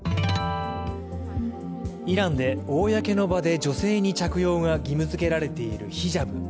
イランで、公の場で女性に着用が義務づけられているヒジャブ。